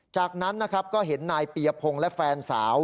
จากนั้นก็เห็นนายเปียพงและแฟนสาว